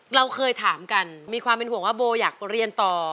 เราเคยถามกันมีความเป็นห่วงว่าโบอยากเรียนต่อ